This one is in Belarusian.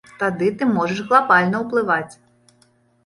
Тады ты можаш глабальна ўплываць.